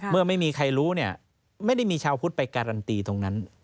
เมื่อไม่มีใครรู้เนี่ยไม่ได้มีชาวพุทธไปการันตีตรงนั้น